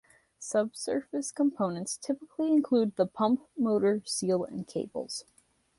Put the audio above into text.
Subsurface components typically include the pump, motor, seal and cables.